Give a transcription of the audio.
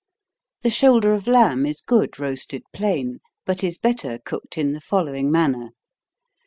_ The shoulder of lamb is good roasted plain, but is better cooked in the following manner.